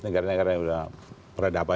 negara negara yang sudah berada apa